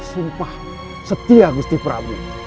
setia gusti prabu